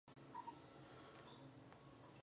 رضا پهلوي د خپل تاریخي میراث پیژندونکی دی.